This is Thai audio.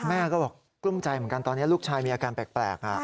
แม่ก็บอกกลุ้มใจเหมือนกันตอนนี้ลูกชายมีอาการแปลก